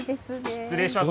失礼します。